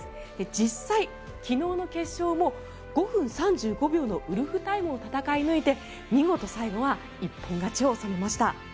実際、昨日の決勝も５分３５秒のウルフタイムを戦い抜いて見事、最後は一本勝ちを収めました。